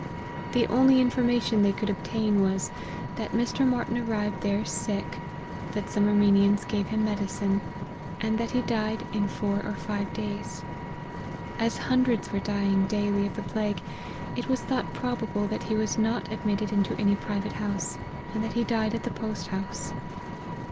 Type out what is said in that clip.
The only information they could obtain was, that Mr. Martyn arrived there sick, that some Armenians gave him medicine, and that he died in four or five days. As hundreds were dying daily of the plague, it was thought pro bable that he was not admitted into any private house, and that he died at the post house.